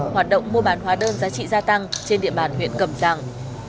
hoạt động mua bán hoa đơn giá trị gia tăng trên địa bàn huyện cẩm giang